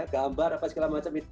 gambar apa segala macam